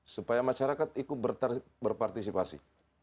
supaya masyarakat ikut berpartisipasi